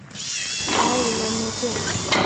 我还以为没电